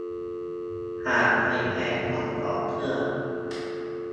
หากใครแพ้ก็ถอดเสื้อ